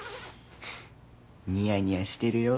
ニヤニヤしてるよ。